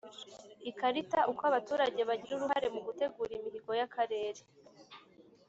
Ikarita Uko abaturage bagira uruhare mu gutegura imihigo y akarere